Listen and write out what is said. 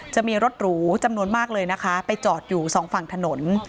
จะมีรถหรูจำนวนมากเลยนะคะไปจอดอยู่สองฝั่งถนน